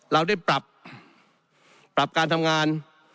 เราได้ปรับปรับการทำงาน